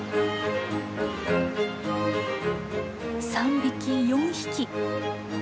３匹４匹。